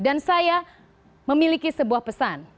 dan saya memiliki sebuah pesan